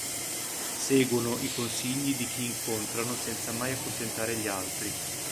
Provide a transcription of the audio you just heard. Seguono i consigli di chi incontrano senza mai accontentare gli altri.